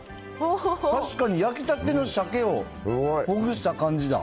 確かに焼きたての鮭を、ほぐした感じだ。